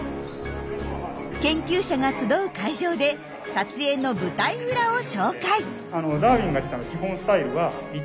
研究者が集う会場で撮影の舞台裏を紹介。